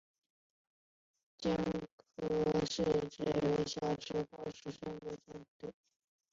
晶粒是指微小的或微米尺度的晶体。